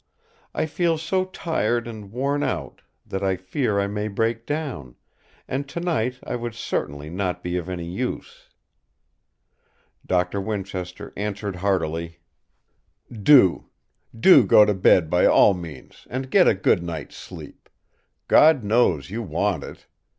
I feel so tired and worn out that I fear I may break down; and tonight I would certainly not be of any use." Doctor Winchester answered heartily: "Do! Do go to bed by all means, and get a good night's sleep. God knows! you want it.